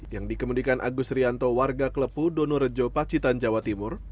yang dikemudikan agus rianto warga klepu donorejo pacitan jawa timur